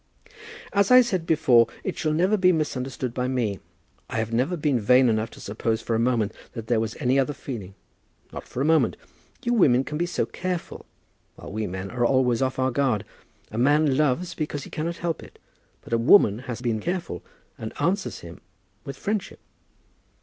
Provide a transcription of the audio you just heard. "As I said before, it shall never be misunderstood by me. I have never been vain enough to suppose for a moment that there was any other feeling, not for a moment. You women can be so careful, while we men are always off our guard! A man loves because he cannot help it; but a woman has been careful, and answers him with friendship.